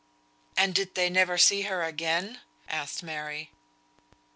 "And did they never see her again?" asked Mary.